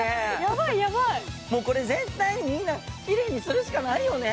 これ、絶対みんなきれいにするしかないよね。